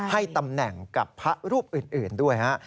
ให้ตำแหน่งกับพระรูปอื่นด้วยฮะ